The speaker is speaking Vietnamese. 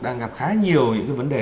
đang gặp khá nhiều những vấn đề